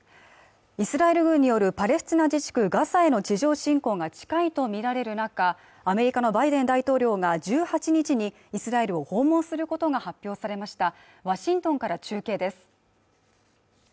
イスラエル軍によるパレスチナ自治区ガザへの地上侵攻が近いと見られる中アメリカのバイデン大統領が１８日にイスラエルを訪問することが発表されましたワシントンから中継です